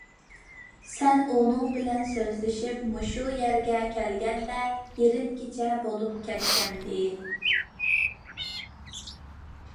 سەن ئۇنىڭ بىلەن سۆزلىشىپ مۇشۇ يەرگە كەلگەندە يېرىم كېچە بولۇپ كەتكەنىدى.